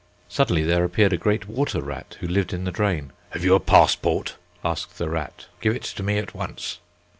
Suddenly there appeared a great water rat, who lived in the drain. "Have you a passport?" asked the rat, "give it to me at once."